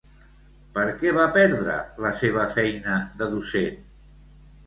Per què va perdre la seva feina de docent?